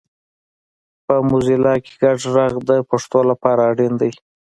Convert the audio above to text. په موزیلا کې ګډ غږ د پښتو لپاره اړین دی